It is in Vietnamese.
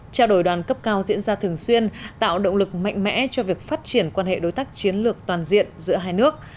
trao đổi đoàn cấp cao diễn ra thường xuyên tạo động lực mạnh mẽ cho việc phát triển quan hệ đối tác chiến lược toàn diện giữa hai nước